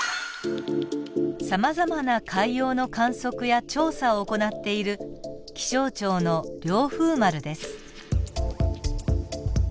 さまざまな海洋の観測や調査を行っている気象庁の凌風丸です。